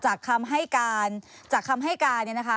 คำให้การจากคำให้การเนี่ยนะคะ